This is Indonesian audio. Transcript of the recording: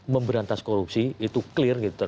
memberantas korupsi itu clear